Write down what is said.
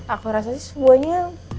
aku rasa sih semuanya